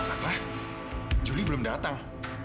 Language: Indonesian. apa julie belum datang